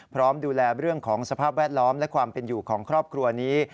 พร้อมดูแลเรื่องของสภาพแวดล้อมและความเป็นอยู่ของครอบครัวนี้